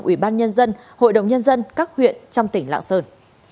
ủy ban nhân dân hội đồng nhân dân các huyện trong tỉnh lạng sơn